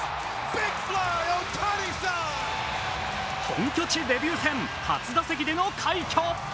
本拠地デビュー戦初打席での快挙。